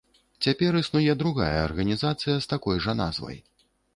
Цяпер існуе другая арганізацыя з такой жа назвай.